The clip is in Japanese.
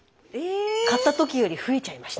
買った時より増えちゃいました。